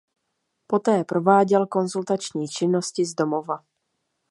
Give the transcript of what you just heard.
Poté prováděl konzultační činnosti z domova.